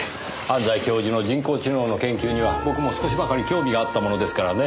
安西教授の人工知能の研究には僕も少しばかり興味があったものですからねぇ。